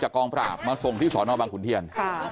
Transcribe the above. กองปราบมาส่งที่สอนอบังขุนเทียน